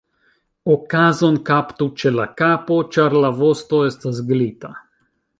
Okazon kaptu ĉe la kapo, ĉar la vosto estas glita.